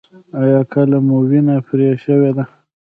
ایا کله مو وینه پرې شوې ده؟